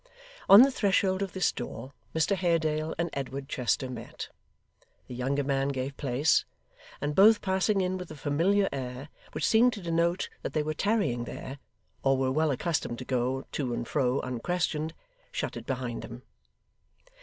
On the threshold of this door, Mr Haredale and Edward Chester met. The younger man gave place; and both passing in with a familiar air, which seemed to denote that they were tarrying there, or were well accustomed to go to and fro unquestioned, shut it behind them.